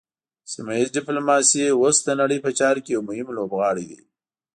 سیمه ایز ډیپلوماسي اوس د نړۍ په چارو کې یو مهم لوبغاړی دی